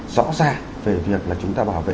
rõ ràng về việc là chúng ta bảo vệ